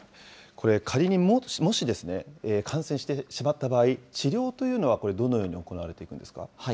これ、仮にもし、感染してしまった場合、治療というのは、これ、どのように行われているんですか。